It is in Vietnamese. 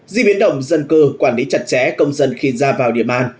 di biến động dân cư quản lý chặt chẽ công dân khi ra vào địa bàn